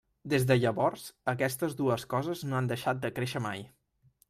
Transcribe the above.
Des de llavors, aquestes dues coses no han deixat de créixer mai.